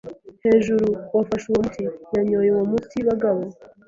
hejuru. Wafashe uwo muti? Yanyoye uwo muti, bagabo? ”